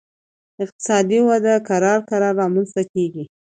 اقتصادي وده کرار کرار رامنځته کیږي